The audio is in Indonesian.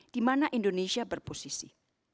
di mana indonesia berposisi